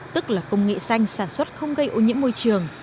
tức là công nghệ xanh sản xuất không gây ô nhiễm môi trường